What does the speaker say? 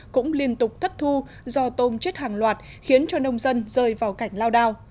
cũng liên tục thất thu do tôm chết hàng loạt khiến cho nông dân rơi vào cảnh lao đao